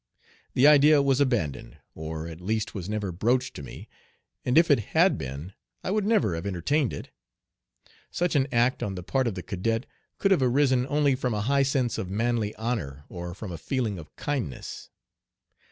The idea was abandoned, or at least was never broached to me, and if it had been I would never have entertained it. Such an act on the part of the cadet could have arisen only from a high sense of manly honor or from a feeling of kindness.